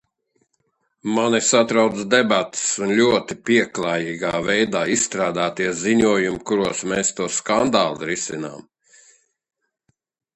Mani satriec debates un ļoti pieklājīgā veidā izstrādātie ziņojumi, kuros mēs šo skandālu risinām.